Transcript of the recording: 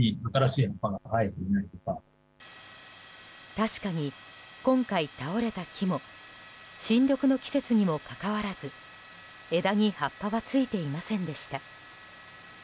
確かに今回倒れた木も新緑の季節にもかかわらず枝に葉っぱはついていませんでした。